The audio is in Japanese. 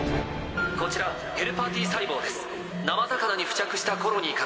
こちらヘルパーＴ細胞です。